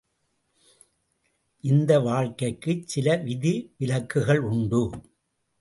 இந்த வாழ்க்கைக்குச் சில விதி விலக்குகள் உண்டு.